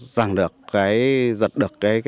rằng được giật được